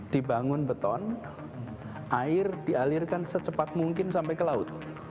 dibangun beton air dialirkan secepat mungkin sampai ke laut